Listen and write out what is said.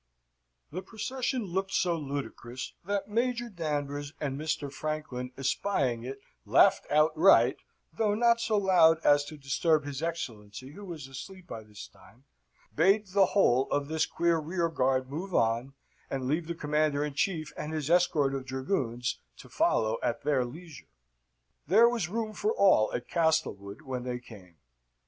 The procession looked so ludicrous, that Major Danvers and Mr. Franklin espying it, laughed outright, though not so loud as to disturb his Excellency, who was asleep by this time, bade the whole of this queer rearguard move on, and leave the Commander in Chief and his escort of dragoons to follow at their leisure. There was room for all at Castlewood when they came.